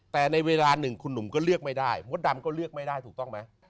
แต่ในเวลาหนึ่งคุณหนุ่มก็เลือกไม่ได้มดดำก็เลือกไม่ได้ถูกต้องไหม